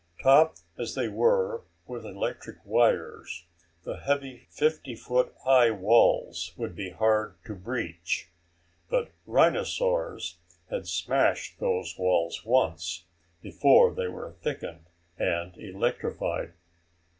Topped as they were with electric wires, the heavy fifty foot high walls would be hard to breach. But rhinosaurs had smashed those walls once before they were thickened and electrified.